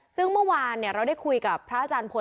ซึ่งเมื่อวานเราได้คุยกับพระอาจารย์พล